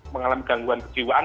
mengalami gangguan kejiwaan